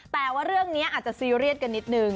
แต่ว่าเรื่องนี้อาจจะซีเรียสกันนิดนึง